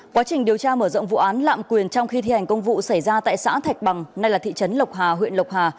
quá trình điều tra mở rộng vụ án lạm quyền trong khi thi hành công vụ xảy ra tại xã thạch bằng nay là thị trấn lộc hà huyện lộc hà